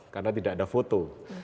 karena tidak ada foto